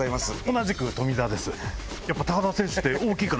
同じく富澤です。